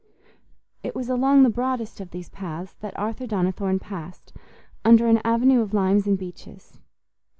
It was along the broadest of these paths that Arthur Donnithorne passed, under an avenue of limes and beeches.